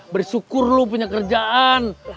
beri syukur lu punya kerjaan